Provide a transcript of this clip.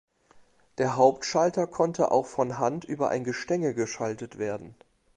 Der Hauptschalter konnte auch von Hand über ein Gestänge geschaltet werden.